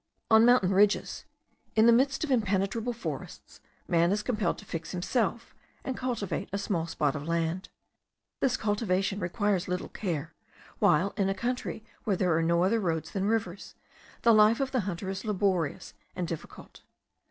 On mountain ridges, in the midst of impenetrable forests, man is compelled to fix himself; and cultivate a small spot of land. This cultivation requires little care; while, in a country where there are no other roads than rivers, the life of the hunter is laborious and difficult.